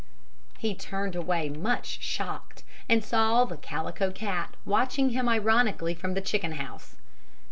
He turned away much shocked, and saw the Calico Cat watching him ironically from the chicken house.